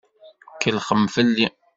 Tkellxem fell-i.